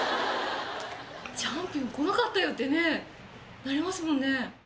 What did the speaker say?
チャンピオン来なかったよってねなりますもんね。